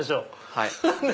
はい。